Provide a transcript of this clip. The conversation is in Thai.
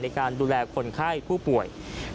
ในการดูแลคนไข้ผู้ป่วย